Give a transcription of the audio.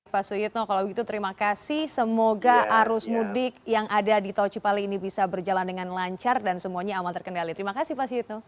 pak suyitno kalau begitu terima kasih semoga arus mudik yang ada di tol cipali ini bisa berjalan dengan lancar dan semuanya aman terkendali terima kasih pak suyitno